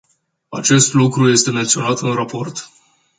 Acest lucru este menționat în raport.